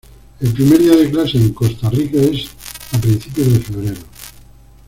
El primer día de clase en Costa Rica es a principios de febrero.